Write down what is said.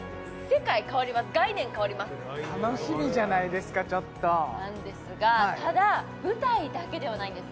そうですかもう楽しみじゃないですかちょっとなんですがただ舞台だけではないんです